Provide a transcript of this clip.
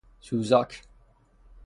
سوزاک